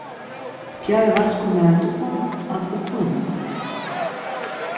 Gyari va ç̌ǩomeret̆uǩon atzi kuimxort̆u.